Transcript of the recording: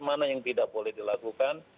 mana yang tidak boleh dilakukan